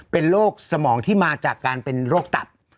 เป็นโรคสมองที่มาจากการเป็นโรคตับ